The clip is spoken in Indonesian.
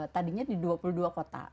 tadinya di dua puluh dua kota